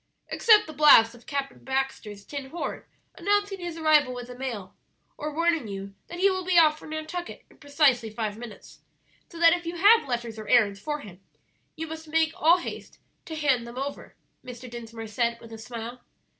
"Except the blast of Captain Baxter's tin horn announcing his arrival with the mail, or warning you that he will be off for Nantucket in precisely five minutes, so that if you have letters or errands for him you must make all haste to hand them over," Mr. Dinsmore said, with a smile.